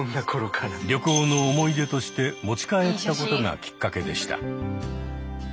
旅行の思い出として持ち帰ったことがきっかけでした。